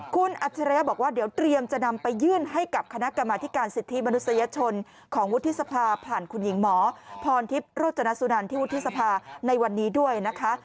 คุณอัจฉริยะบอกว่าเดี๋ยวเตรียมจะนำไปยื่นให้กับคณะกรรมธิการสิทธิมนุษยชนของวุฒิสภาผ่านคุณหญิงหมอพรทิพย์โรจนสุนันที่วุฒิสภาในวันนี้ด้วยนะคะ